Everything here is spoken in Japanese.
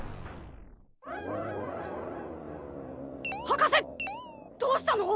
博士どうしたの？